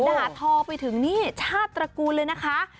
ด่าทอไปถึงนี่ชาติตระกูลเลยนะคะ